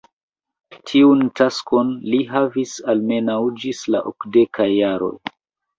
Tiun taskon li havis almenaŭ ĝis la okdekaj jaroj.